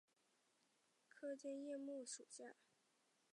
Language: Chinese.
滇南尖叶木为茜草科尖叶木属下的一个种。